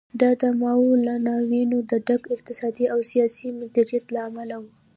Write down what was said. دا د ماوو له ناورینه د ډک اقتصادي او سیاسي مدیریت له امله و.